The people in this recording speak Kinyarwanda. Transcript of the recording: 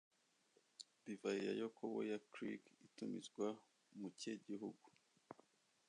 Divayi ya Yakobo ya Creek itumizwa mu kihe gihugu?